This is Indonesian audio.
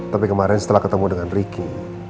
tapi kemaren setelah ketemu dengan riki